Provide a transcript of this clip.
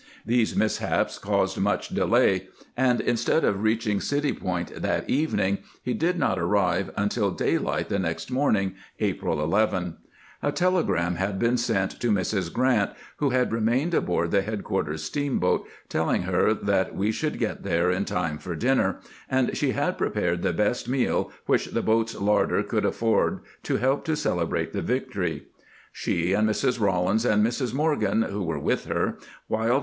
These mishaps caused much delay, and instead of reaching City Point that evening, he did not arrive until daylight the next morning, April 11. A telegram had been sent to Mrs. THE DAWN OF PEACE 493 Grant, who had remained aboard the headquarters steamboat, telling her that we should get there in time for dinner, and she had prepared the best meal which the boat's larder could afford to help to celebrate the victory. She and Mrs. Rawlins and Mrs. Morgan, who were with her, whiled.